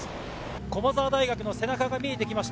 駒澤大学の背中が見えてきました。